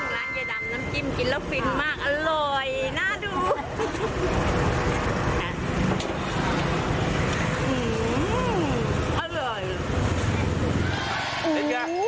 ร้านไก่ดำตำกิ่มกินแล้วสิบหมดอร่อยน่าดู